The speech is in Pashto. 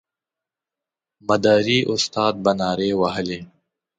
مداري استاد به نارې وهلې.